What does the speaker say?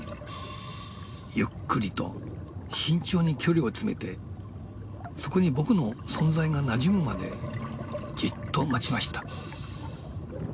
ゆっくりと慎重に距離を詰めてそこに僕の存在がなじむまでじっと待ちました。